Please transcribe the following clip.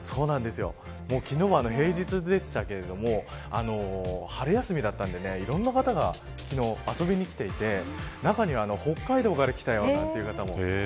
昨日は平日でしたけれども春休みだったのでいろんな方が昨日、遊びに来ていて中には北海道から来たなんていう方も。